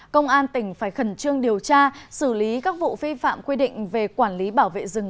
công an tỉnh phải khẩn trương điều tra xử lý các vụ vi phạm quy định về quản lý bảo vệ rừng